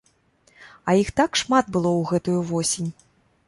А іх так шмат было ў гэтую восень.